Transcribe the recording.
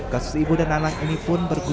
kasus ibu dan anak ini pun bergulir